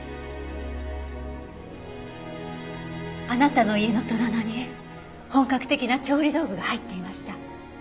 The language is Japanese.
あなたの家の戸棚に本格的な調理道具が入っていました。